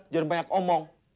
jangan banyak omong